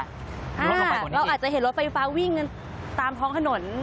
เราอาจจะเห็นรถไฟฟ้าวิ่งกันตามท้องถนน